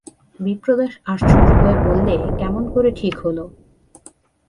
বিপ্রদাস আশ্চর্য হয়ে বললে, কেমন করে ঠিক হল?